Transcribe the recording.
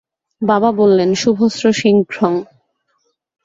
বাবা বললেন, শুভস্য শীঘ্রং।